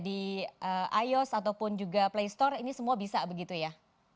di ios ataupun juga play store ini semua bisa begitu ya